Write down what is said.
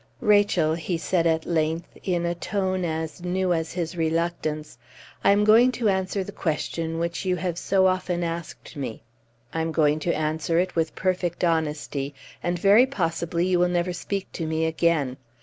"Rachel," he said at length, in a tone as new as his reluctance, "I am going to answer the question which you have so often asked me. I am going to answer it with perfect honesty, and very possibly you will never speak to me again.